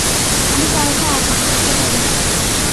আমি কাউকে আঘাত করতে পারি।